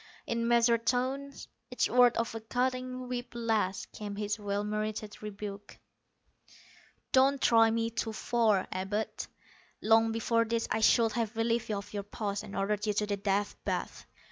In measured tones, each word a cutting whip lash, came his well merited rebuke: "Don't try me too far, Abud. Long before this I should have relieved you of your post, and ordered you to the Death Bath.